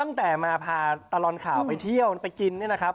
ตั้งแต่มาพาตลอดข่าวไปเที่ยวไปกินเนี่ยนะครับ